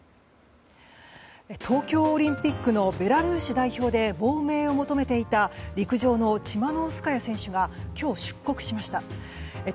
東京オリンピックのベラルーシ代表で亡命を求めていた陸上のチマノウスカヤ選手が今日、出国しました。